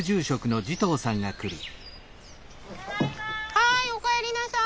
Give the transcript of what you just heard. はいお帰りなさい。